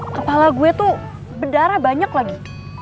kepala gue tuh bendara banyak lagi